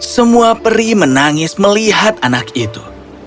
semua peri menangis melihat anak itu